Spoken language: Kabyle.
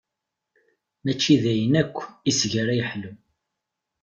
Mačči d ayen akk iseg ara yeḥlu.